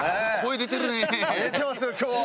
出てますよ今日は！